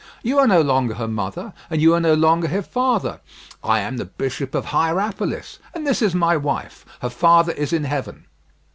You are no longer her mother, and you are no longer her father. I am the Bishop of Hierapolis, and this is my wife. Her father is in heaven."